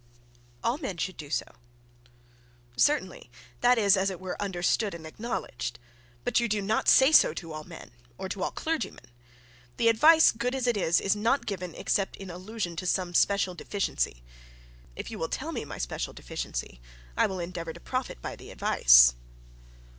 'All men should do so.' 'Certainly. That is as it were understood and acknowledged. But you do not say so to all men, or to all clergymen. The advice, good as it is, is not given except in allusion to some special deficiency. If you will tell me my special deficiency, I will endeavour to profit by the advice.'